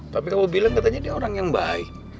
tapi kamu bilang katanya dia orang yang baik